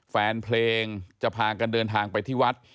แฟนเพลงจะพากันเดินทางไปที่วัด